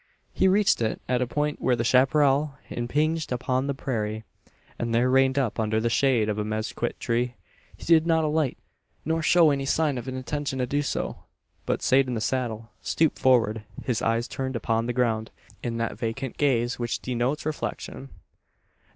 He reached it, at a point where the chapparal impinged upon the prairie, and there reined up under the shade of a mezquit tree. He did not alight, nor show any sign of an intention to do so; but sate in the saddle, stooped forward, his eyes turned upon the ground, in that vacant gaze which denotes reflection.